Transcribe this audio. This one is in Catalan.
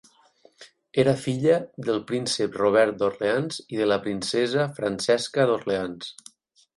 Era filla del príncep Robert d'Orleans i de la princesa Francesca d'Orleans.